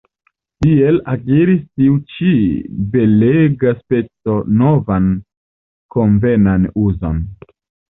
Tiel akiris tiu ĉi belega spaco novan konvenan uzon.